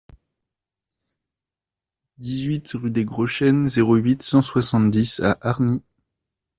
dix-huit rue des Gros Chênes, zéro huit, cent soixante-dix à Hargnies